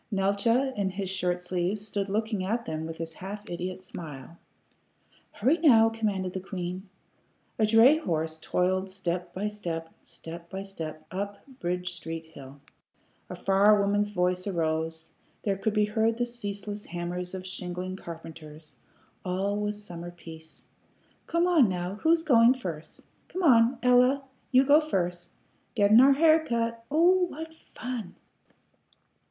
Neeltje, in his shirt sleeves, stood looking at them with his half idiot smile. "Hurry, now!" commanded the queen. A dray horse toiled step by step, step by step, up Bridge Street hill; a far woman's voice arose; there could be heard the ceaseless hammers of shingling carpenters; all was summer peace. "Come on, now. Who's goin' first? Come on, Ella; you go first. Gettin' our hair cut! Oh what fun!"